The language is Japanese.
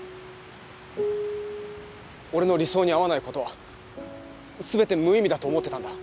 俺の理想に合わない事は全て無意味だと思ってたんだ。